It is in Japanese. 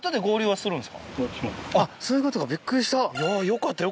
そういうことかびっくりした。